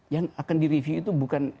yang akan direview itu bukan